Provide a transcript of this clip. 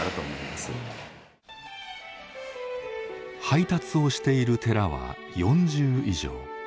配達をしている寺は４０以上。